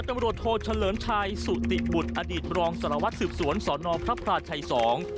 ร้อยจำรวจโทษเฉลินชายสุติบุตรอดีตรองสลวทศึกษวนสอนอพระพลาชัยสอง